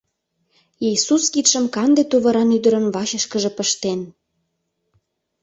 Иисус кидшым канде тувыран ӱдырын вачышкыже пыштен.